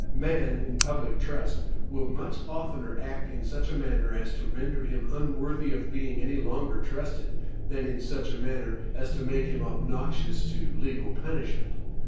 Man, in public trust, will much oftener act in such a manner as to render him unworthy of being any longer trusted, than in such a manner as to make him obnoxious to legal punishment.